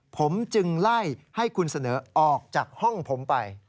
ผมจึงไล่ให้คุณเสนอออกจากห้องผมไป